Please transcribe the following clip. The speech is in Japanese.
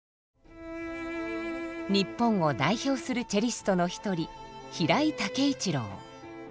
日本を代表するチェリストの一人平井丈一朗。